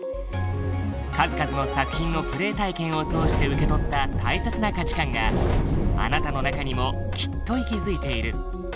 数々の作品のプレイ体験を通して受け取った大切な価値観があなたの中にもきっと息づいている。